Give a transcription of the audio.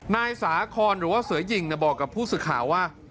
นายสาคอนหรือว่าเสือหญิงบอกกับผู้สื่อข่าวว่า